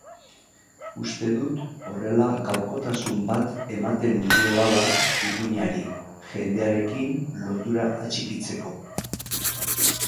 Uste dut horrela gaurkotasun bat ematen diotala ipuinari, jendearekin lotura atxikitzeko.